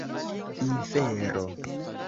infero